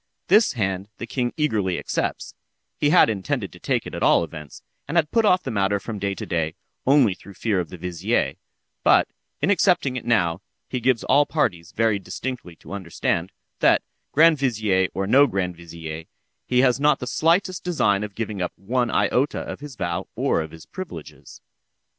This hand the king eagerly accepts—(he had intended to take it at all events, and had put off the matter from day to day, only through fear of the vizier),—but, in accepting it now, he gives all parties very distinctly to understand, that, grand vizier or no grand vizier, he has not the slightest design of giving up one iota of his vow or of his privileges.